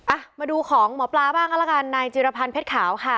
อ่ะมาดูของหมอปลาบ้างก็แล้วกันนายจิรพันธ์เพชรขาวค่ะ